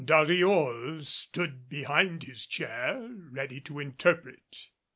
Dariol stood behind his chair ready to interpret.